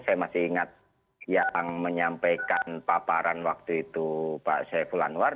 saya masih ingat yang menyampaikan paparan waktu itu pak saiful anwar